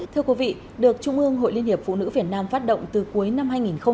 thưa quý vị được trung ương hội liên hiệp phụ nữ việt nam phát động từ cuối năm hai nghìn hai mươi ba